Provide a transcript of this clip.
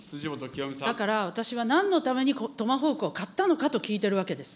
だから、私はなんのためにトマホークを買ったのかと聞いてるわけです。